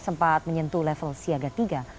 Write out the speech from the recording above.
sempat menyentuh level siaga tiga